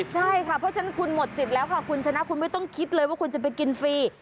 ใช่ค่ะเพราะฉะนั้นคุณหมดสิทธิ์แล้วค่ะคุณชนะคุณไม่ต้องคิดเลยว่าคุณจะไปกินฟรี